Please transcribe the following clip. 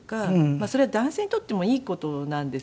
それは男性にとってもいい事なんですよね。